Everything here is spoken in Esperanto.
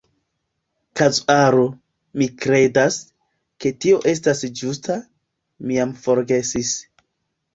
"Kazuaro". Mi kredas, ke tio estas ĝusta, mi jam forgesis.